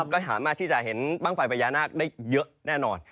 ก็จะหามาที่จะเห็นปั้งไฟพยานาคได้เยอะแน่นอน